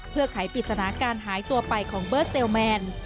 เพื่อไขปริศนาการหายตัวไปของเบอร์เซลแมน